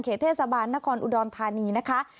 เทศบาลนครอุดรธานีนะคะ